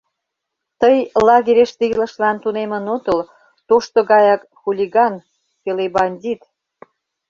Тый лагерьыште илышлан тунемын отыл, тошто гаяк хулиган... пеле бандит...